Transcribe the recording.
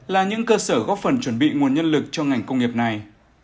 là những cơ sở góp phần chuẩn bị nguồn nhân lực cho ngành công nghiệp này